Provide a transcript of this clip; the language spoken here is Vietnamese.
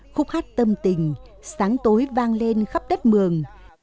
khúc hát tâm tình sáng tối vang lên khắp đất mường